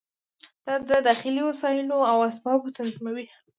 دا د داخلي وسایلو او اسبابو تنظیم دی.